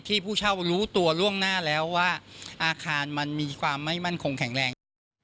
ผู้เช่ารู้ตัวล่วงหน้าแล้วว่าอาคารมันมีความไม่มั่นคงแข็งแรง